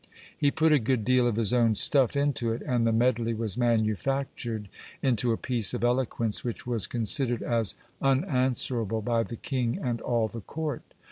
He put a good deal of his own stuff into it, and the medley was manufactured into a piece of eloquence which was considered as unanswerable by the king and all the court.